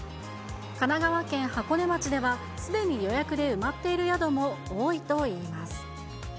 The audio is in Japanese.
神奈川県箱根町では、すでに予約で埋まっている宿も多いといいます。